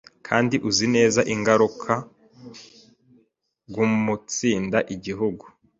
kandi uzi neza ingaruka guumunsinda Igihugu: